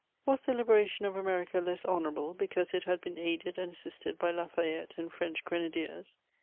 Was the liberation of America less honourable because it had been aided and assisted by Lafayette and French grenadiers?